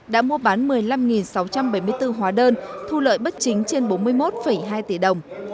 đã mua bán một mươi năm sáu trăm bảy mươi bốn hóa đơn thu lợi bất chính trên bốn mươi một hai tỷ đồng